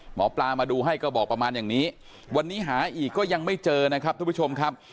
หมอปลามาดูให้ก็บอกประมาณอย่างนี้วันนี้หาอีกก็ยังไม่เจอนะครับทุกผู้ชมครับ